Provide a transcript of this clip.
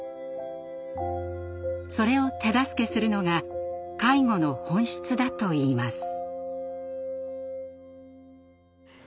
それを手助けするのが介護の本質だといいます。